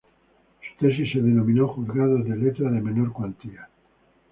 Su tesis se denominó "Juzgados de letras de menor cuantía.